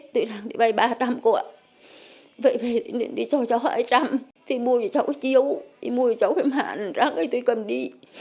tôi đang đi bay ba trăm linh cụa vậy về nên đi cho cháu hai trăm linh thì mua cho cháu chiếu thì mua cho cháu phim hàn ra ngay tôi cầm đi